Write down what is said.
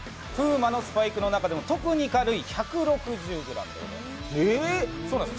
ＰＵＭＡのスパイクの中でも特に軽い１６０ｇでございます。